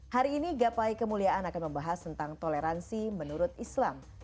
hari ini gapai kemuliaan akan membahas tentang toleransi menurut islam